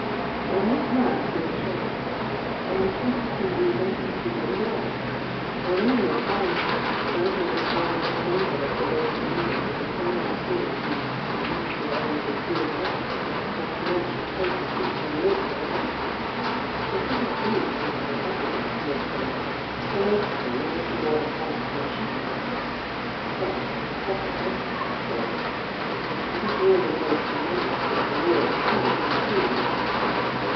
I am not mad, be assured! — I am temperate in reason and cool in blood. I am only a scientist, bent on defying that Angel at the gate of Eden with the flaming sword who 'keeps the way of the Tree of Life,' lest men should take and eat and live for ever ! It would not do for men in the aggregate to live for ever, II m 1«2 THE YOUNG DIANA I I: Uk for moat of them are little more than mites in a cheese, — but as the Prophet Esdras was told: 'This present world is made for the many, but the world to come for the few.'